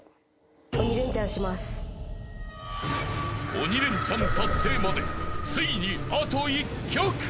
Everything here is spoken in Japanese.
［鬼レンチャン達成までついにあと１曲］